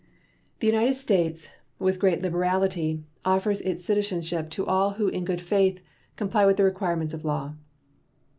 The United States, with great liberality, offers its citizenship to all who in good faith comply with the requirements of law.